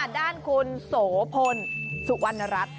ด้านคุณโสพลสุวรรณรัฐ